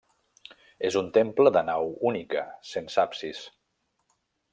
És un temple de nau única, sense absis.